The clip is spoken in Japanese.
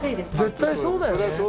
絶対そうだよね。